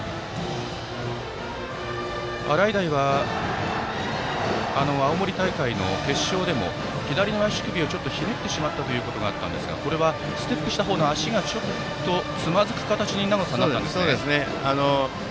洗平は青森大会の決勝でも左の足首をひねってしまったことがありましたがこれはステップした足の方がつまずく形になりましたかね。